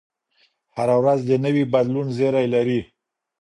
هره ورځ د نوي بدلون زېری لري